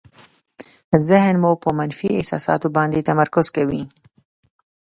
ذهن مو په منفي احساساتو باندې تمرکز کوي.